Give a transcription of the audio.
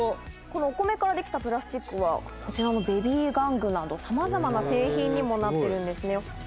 このお米から出来たプラスチックはこちらのベビー玩具などさまざまな製品にもなってるんですよ。